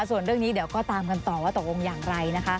ส่วนเรื่องนี้เดี๋ยวก็ตามกันต่อว่าตกลงอย่างไรนะคะ